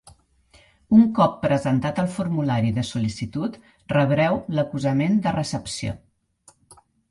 Un cop presentat el formulari de sol·licitud rebreu l'acusament de recepció.